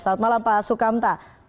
saat malam pak sukamta